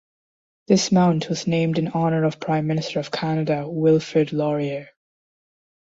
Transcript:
This mount was named in honor of Prime Minister of Canada Wilfrid Laurier.